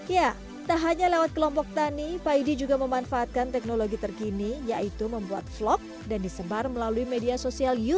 ya tak hanya lewat kelompok tani paidee juga memanfaatkan teknologi terkini yaitu membuat vlog dan disebar melalui media sosial youtube